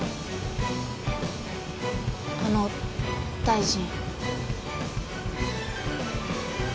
あの大臣。